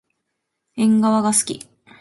えんがわがすき。